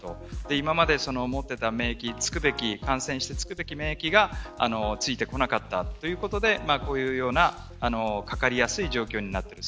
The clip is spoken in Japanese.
今まで持っていた免疫感染してつくべき免疫がついてこなかったということでかかりやすい状況になっている。